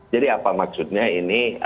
jadi apa maksudnya ini